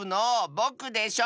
ぼくでしょ！